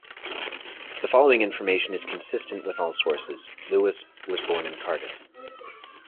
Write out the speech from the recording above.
The following information is consistent with all sources: Lewis was born in Cardiff.